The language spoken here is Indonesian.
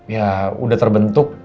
ya udah terbentuk